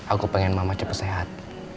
aku pengen mama cepet sehat